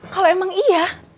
kalau emang iya